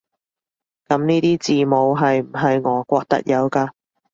噉呢啲字母係唔係俄國特有㗎？